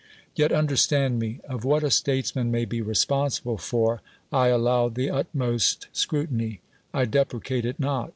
Yet understand me. Of what a stat( sinan miay be resprinsible for I allow tlir iitiiuvst scru tiny ; I deprecate it not.